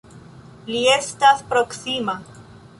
Li estas proksima!